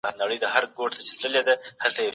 د افغانستان زعفران برانډ باید پیاوړی شي.